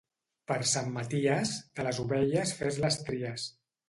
Per Sant Maties, de les ovelles fes les tries.